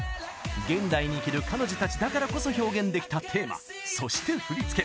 現代に生きる彼女たちだからこそ表現できたテーマ、そして振付。